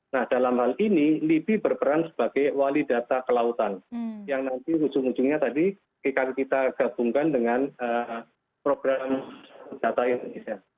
nah dalam hal ini libi berperan sebagai wali data kelautan yang nanti ujung ujungnya tadi kita gabungkan dengan program data indonesia